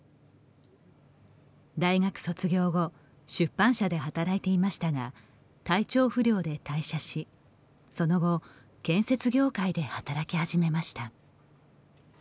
大学卒業後出版社で働いていましたが体調不良で退社しその後、建設業界で働き始めました。